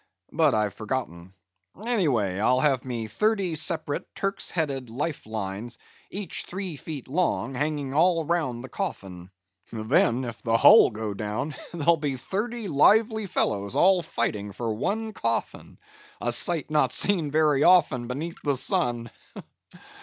But I've forgotten. Any way, I'll have me thirty separate, Turk's headed life lines, each three feet long hanging all round to the coffin. Then, if the hull go down, there'll be thirty lively fellows all fighting for one coffin, a sight not seen very often beneath the sun!